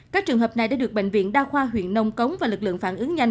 các trường hợp này đã được bệnh viện đa khoa huyện nông cống và lực lượng phản ứng nhanh